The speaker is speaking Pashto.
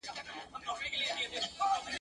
صبر تریخ دی خو میوه یې خوږه ده ..